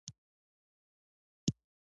د کونړ په دانګام کې د څه شي نښې دي؟